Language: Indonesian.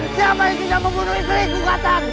siapa yang sudah membunuh istrimu katakan